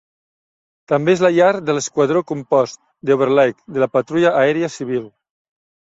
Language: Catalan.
També és la llar de l'Esquadró Compost d'Overlake de la Patrulla Aèria Civil.